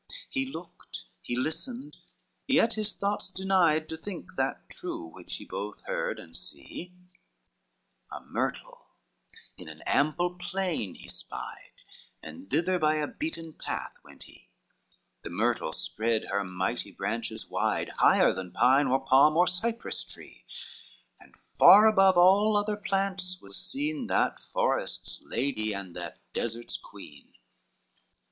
XXV He looked, he listened, yet his thoughts denied To think that true which he both heard and see, A myrtle in an ample plain he spied, And thither by a beaten path went he: The myrtle spread her mighty branches wide, Higher than pine or palm or cypress tree: And far above all other plants was seen That forest's lady and that desert's queen.